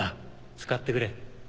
使ってくれ。